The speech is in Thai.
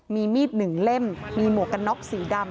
มีมีดหนึ่งเล่มมีหมวกกันน็อกสีดำ